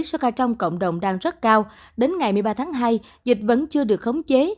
số ca trong cộng đồng đang rất cao đến ngày một mươi ba tháng hai dịch vẫn chưa được khống chế